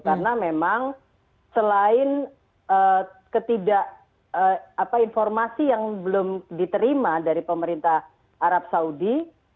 karena memang selain ketidak informasi yang belum diterima dari pemerintah arab saudi